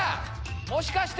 もしかして。